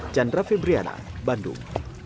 chandra febriana bandung